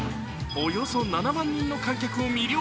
およそ７万人の観客を魅了。